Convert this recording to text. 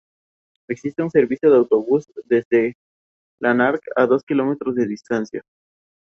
El parque cuenta con camping de travesía, senderismo, acampada y trineos tirados por perros.